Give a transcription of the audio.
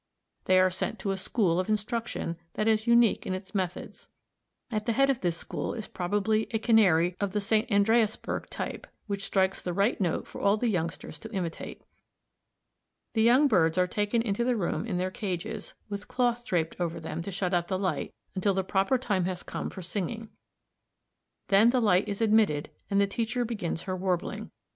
They are sent to a school of instruction that is unique in its methods. At the head of this school is probably a Canary of the St. Andreasberg type, which strikes the right note for all the youngsters to imitate. The young birds are taken into the room in their cages, with cloth draped over them to shut out the light until the proper time has come for singing. Then the light is admitted and the teacher begins her warbling.